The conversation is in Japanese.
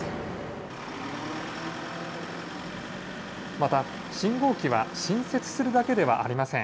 また、信号機は新設するだけではありません。